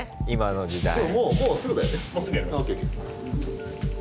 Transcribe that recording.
今の時代。